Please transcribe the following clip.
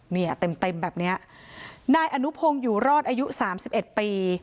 เนี่ยเต็มเต็มแบบเนี้ยนายอนุพงศ์อยู่รอดอายุสามสิบเอ็ดปี